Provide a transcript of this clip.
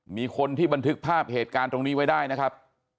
มีคนที่บันทึกภาพเหตุการณ์ตรงนี้ไว้ได้นะครับ